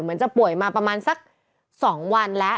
จะป่วยมาประมาณสัก๒วันแล้ว